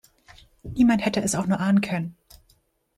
Niemand hätte es auch nur ahnen können.